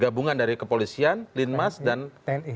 gabungan dari kepolisian linmas dan tni